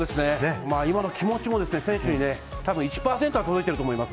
今の気持ちも選手に多分１％は届いていると思います。